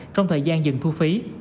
trong thời gian dừng thu phí